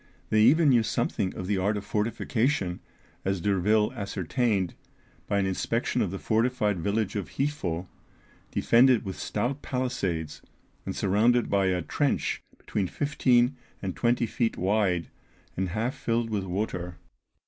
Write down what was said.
They even knew something of the art of fortification, as D'Urville ascertained by an inspection of the fortified village of Hifo, defended with stout palisades, and surrounded by a trench between fifteen and twenty feet wide, and half filled with water.